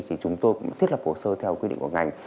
thì chúng tôi cũng thiết lập hồ sơ theo quy định của ngành